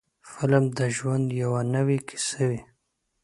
فلم د ژوند یوه نوې کیسه وي.